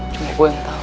cuma gue yang tau